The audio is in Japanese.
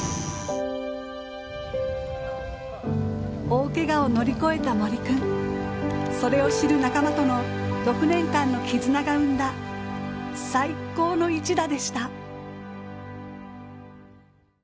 大けがを乗り越えた森君それを知る仲間との６年間の絆が生んだ最高の一打でした。